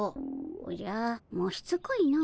おじゃもうしつこいのう。